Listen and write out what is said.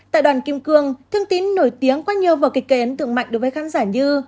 tại đoàn kim cương thương tín nổi tiếng qua nhiều vở kịch kể ấn tượng mạnh đối với khán giả như